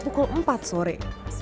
kamulat pukul empat sore